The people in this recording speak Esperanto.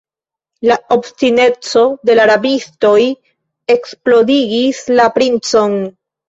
La obstineco de la rabistoj eksplodigis la princon.